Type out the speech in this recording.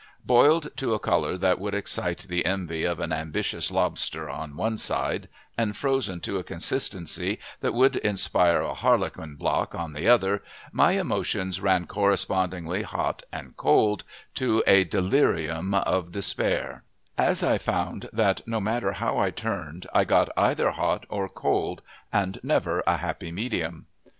Boiled to a color that would excite the envy of an ambitious lobster, on one side, and frozen to a consistency that would inspire a Harlequin block on the other, my emotions ran correspondingly hot and cold to a delirium of despair, as I found that no matter how I turned I got either hot or cold, and never a happy medium.